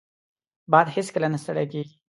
باد هیڅکله نه ستړی کېږي